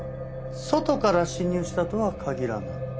外から侵入したとは限らない。